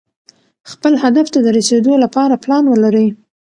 خپل هدف ته د رسېدو لپاره پلان ولرئ.